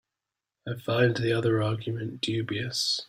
I find the other argument dubious.